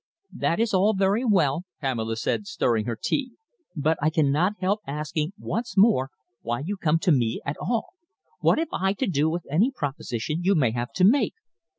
"That is all very well," Pamela said, stirring her tea, "but I cannot help asking once more why you come to me at all? What have I to do with any proposition you may have to make?"